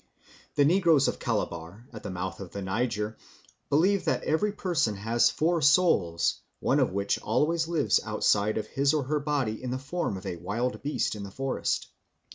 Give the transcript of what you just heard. The negroes of Calabar, at the mouth of the Niger, believe that every person has four souls, one of which always lives outside of his or her body in the form of a wild beast in the forest.